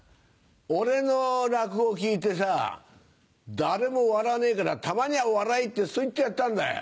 俺の落語聞いてさ誰も笑わねえからたまには笑えってそう言ってやったんだよ。